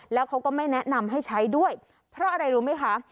แล้วเขาก็ไม่แนะนำให้ใช้ด้วยเพราะอะไรรู้ไหมคะ